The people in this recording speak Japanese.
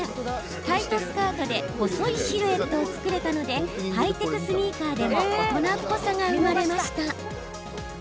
タイトスカートで細いシルエットを作れたのでハイテクスニーカーでも大人っぽさが生まれました。